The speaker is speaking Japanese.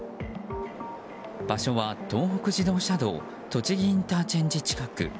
場所は東北自動車道栃木ＩＣ近く。